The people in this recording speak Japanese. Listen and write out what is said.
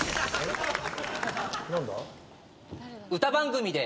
歌番組で。